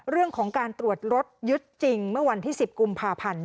เรื่องของการตรวจรถยึดจริงเมื่อวันที่๑๐กุมภาพันธ์